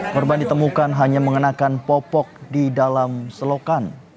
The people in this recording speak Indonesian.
korban ditemukan hanya mengenakan popok di dalam selokan